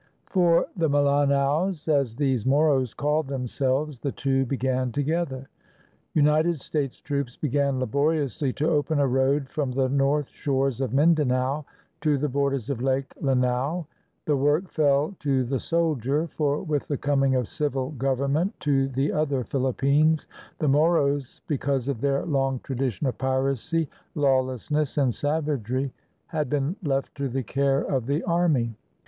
For the Malanaos, as these Moros called themselves, the two began together. United States troops began laboriously to open a road from the north shores of Mindanao to the borders of Lake Lanao. The work fell to the soldier; for, with the coming of civil government to the other Philippines, the Moros, because of their long tradition of piracy, lawlessness, and savagery, had been left to the care of the army.